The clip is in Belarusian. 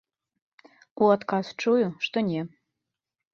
У адказ чую, што не.